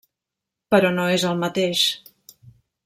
Però no és el mateix.